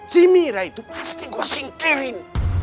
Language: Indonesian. si mirah itu pasti gue singkirin